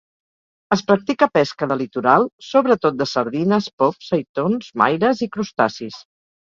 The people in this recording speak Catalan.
Es practica pesca de litoral, sobretot de sardines, pops, seitons, maires i crustacis.